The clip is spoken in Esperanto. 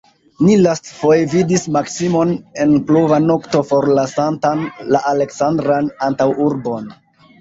Ni lastfoje vidis Maksimon en pluva nokto forlasantan la Aleksandran antaŭurbon.